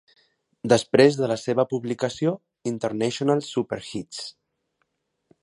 Després de la seva publicació, "International Superhits!"